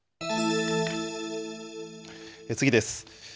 次です。